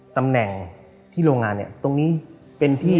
ตำแหน่งที่โรงงานเนี่ยตรงนี้เป็นที่